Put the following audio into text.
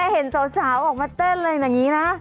เห็นสาวออกมาเต้นอะไรอย่างนี้นะ